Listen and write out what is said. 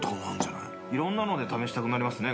いろんなので試したくなりますね。